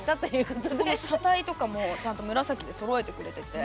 この車体とかもちゃんと紫でそろえてくれてて。